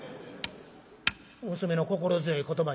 娘の心強い言葉にね